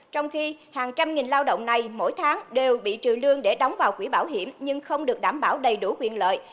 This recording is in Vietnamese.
trong khi hàng trăm nghìn lao động này mỗi tháng đều bị trừ lương để đóng vào quỹ bảo hiểm nhưng không được đảm bảo đầy đủ quyền lợi